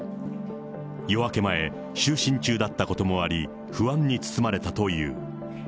夜明け前、就寝中だったこともあり、不安に包まれたという。